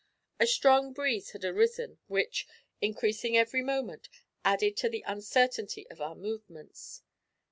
A strong breeze had arisen, which, increasing every moment, added to the uncertainty of our movements.